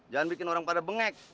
jangan bikin orang pada bengek